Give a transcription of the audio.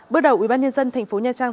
bước đầu ủy ban nhân dân tp nha trang